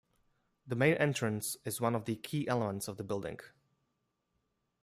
The main entrance is one of the key elements of the building.